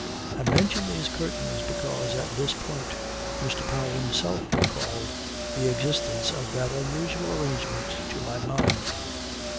I mention these curtains because at this point Mr. Powell himself recalled the existence of that unusual arrangement to my mind.